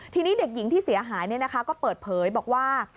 ทีนี้เด็กหญิงที่เสียหายก็เปิดเผยบอกว่า